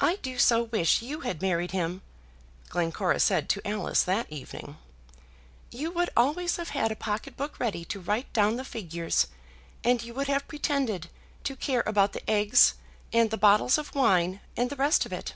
"I do so wish you had married him!" Glencora said to Alice that evening. "You would always have had a pocket book ready to write down the figures, and you would have pretended to care about the eggs, and the bottles of wine, and the rest of it.